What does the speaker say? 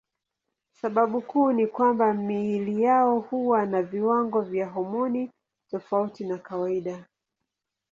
Sababu kuu ni kwamba miili yao huwa na viwango vya homoni tofauti na kawaida.